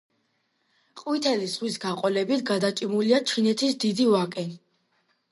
ყვითელი ზღვის გაყოლებით გადაჭიმულია ჩინეთის დიდი ვაკე.